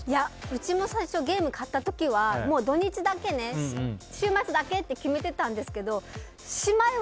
うちも最初はゲーム買った時は土日だけね、週末だけって決めてたんですけどしまい